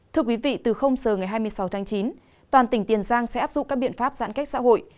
thưa quý vị từ giờ ngày hai mươi sáu tháng chín toàn tỉnh tiền giang sẽ áp dụng các biện pháp giãn cách xã hội